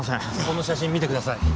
この写真見てください。